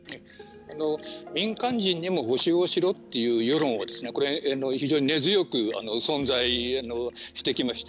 民間人にも補償をしろという世論はこれは非常に根強く存在してきました。